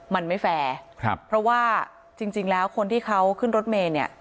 มันไม่แฟร์ครับเพราะว่าจริงแล้วคนที่เขาขึ้นรถเมย์เนี่ย